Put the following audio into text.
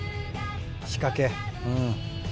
仕掛け。